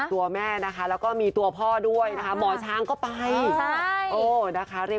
ตัวแม่นะคะแล้วก็มีตัวพ่อด้วยนะคะหมอช้างก็ไปนะคะ